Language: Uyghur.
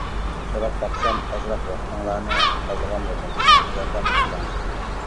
سوراپ باقسام ئازراق ۋاقتىڭلارنى ئالدىغان بولدۇم، ياردەم قىلساڭلار!